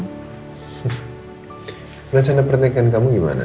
hmm racanapernyekan kamu gimana